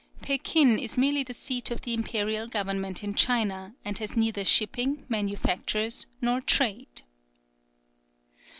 Pekin is merely the seat of the Imperial government in China, and has neither shipping, manufactures, nor trade.